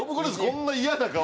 こんな嫌な顔。